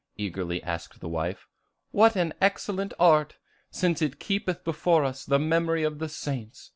eagerly asked the wife. "What an excellent art, since it keepeth before us the memory of the saints!